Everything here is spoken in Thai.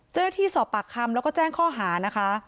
เจ้าหน้าที่สอบปากคำแล้วก็แจ้งข้อหานะคะ